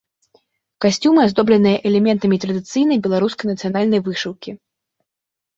Касцюмы аздобленыя элементамі традыцыйнай беларускай нацыянальнай вышыўкі.